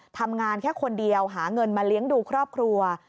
ทำงานแค่คนเดียวหาเงินมาเลี้ยงดูครอบครัว